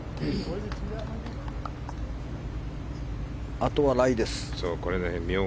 あとはライです。